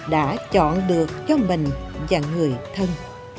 đã chọn được cho mình và người thân